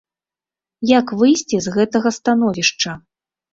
Як выйсці з гэтага становішча?